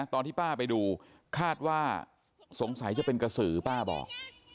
ตอนที่ป้าไปดูคาดว่าสงสัยจะเป็นกระสือป้าบอก